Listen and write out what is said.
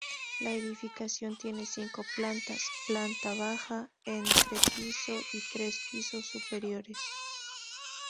La edificación tiene cinco plantas: planta baja, entrepiso y tres pisos superiores.